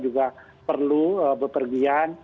juga perlu bepergian